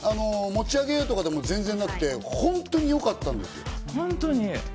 持ち上げようとかでも全然なくて、本当によかったんですよ。